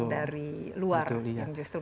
dari luar yang justru